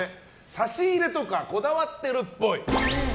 差し入れとかこだわってるっぽい。